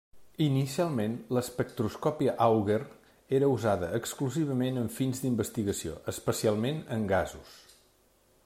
Inicialment l'espectroscòpia Auger era usada exclusivament amb fins d'investigació, especialment en gasos.